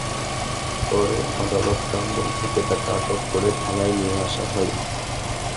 পরে আদালত প্রাঙ্গণ থেকে তাঁকে আটক করে থানায় নিয়ে আসা হয়।